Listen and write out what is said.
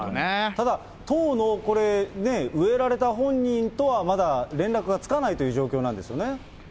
ただ、当のこれ、植えられた本人とはまだ連絡がつかないという状況なんですよね。